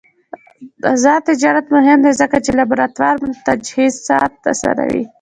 آزاد تجارت مهم دی ځکه چې لابراتوار تجهیزات اسانوي.